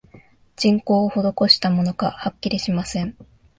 人工をほどこしたものか、はっきりしません